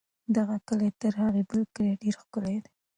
دغه کلی تر هغه بل کلي ډېر ښکلی دی.